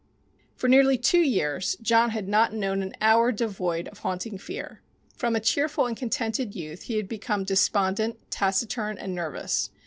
For nearly two years John had not known an hour devoid of haunting fear. From a cheerful and contented youth he had become despondent, taciturn and nervous.